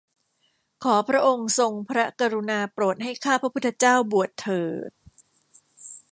ขอพระองค์ทรงพระกรุณาโปรดให้ข้าพระพุทธเจ้าบวชเถิด